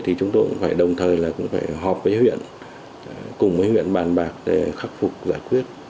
thì chúng tôi cũng phải đồng thời là cũng phải họp với huyện cùng với huyện bàn bạc để khắc phục giải quyết